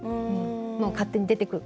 もう勝手に出てくる。